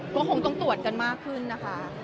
ก็คงต้องตรวจกันมากขึ้นนะคะ